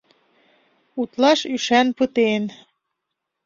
Утлаш ӱшан пытен.